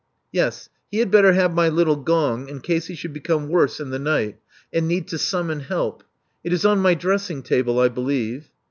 Yes, he had better have my little gong, in case he should become worse in the night, and need to summon help. It is on my dressing table, I believe."